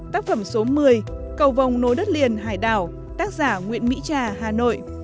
tác phẩm số một mươi cầu vòng nối đất liền hải đảo tác giả nguyễn mỹ trà hà nội